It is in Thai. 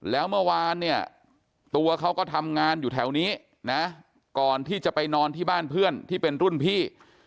แล้วเมื่อวานเนี่ยตัวเขาก็ทำงานอยู่แถวนี้นะก่อนที่จะไปนอนที่บ้านเพื่อนที่เป็นรุ่นพี่